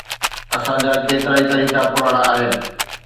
اسان جا ڪيترائي طريقا پراڻا آھن.